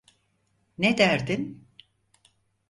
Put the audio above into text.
Ne derdin?